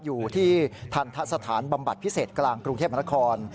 อยู่ที่ทันทะสถานบำบัดพิเศษกลางกรุงเทพมนคร